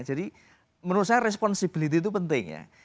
jadi menurut saya responsibiliti itu penting ya